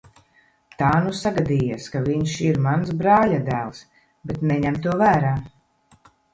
Tā nu sagadījies, ka viņš ir mans brāļadēls, bet neņem to vērā.